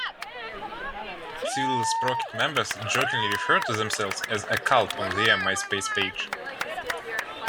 Silver Sprocket members jokingly refer to themselves as a cult on their Myspace page.